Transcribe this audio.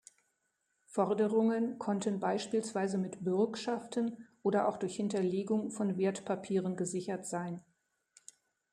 Forderungen konnten beispielsweise mit Bürgschaften oder auch durch Hinterlegung von Wertpapieren gesichert sein.